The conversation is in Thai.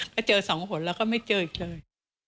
ก็เจอสองผลแล้วก็ไม่เจออีกเลย